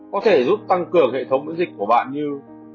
có thể giúp tăng cường hệ thống miễn dịch của bạn như